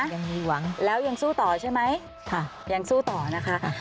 ยังมีหวังน่ะแล้วยังสู้ต่อใช่ไหมนะคะยังมีหวัง